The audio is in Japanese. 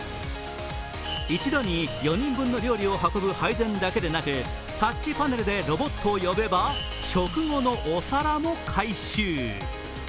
一度に４人分の料理を運ぶ配膳だけでなく、タッチパネルでロボットを呼べば、食後のお皿も回収。